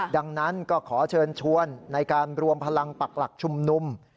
ดังนั้นก็ขอเชิญชวนในการรวมพลังปักหลักชุมนุม